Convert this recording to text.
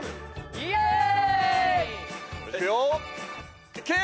イエーイ！